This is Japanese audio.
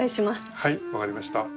はい分かりました。